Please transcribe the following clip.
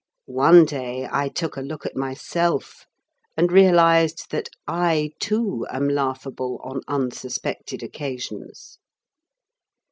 One day I took a look at myself, and realized that "I, too, am laughable on unsuspected occasions."